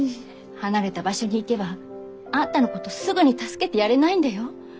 離れた場所に行けばあんたのことすぐに助けてやれないんだよ。